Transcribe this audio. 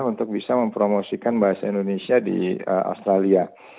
untuk bisa mempromosikan bahasa indonesia di australia